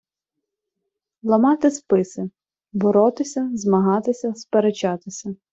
Ламати списи — боротися, змагатися, сперечатися